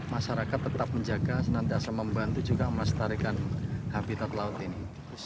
masyarakat tetap menjaga senantiasa membantu juga melestarikan habitat laut ini